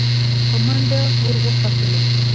په منډه ور وختلو.